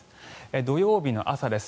土曜日の朝です。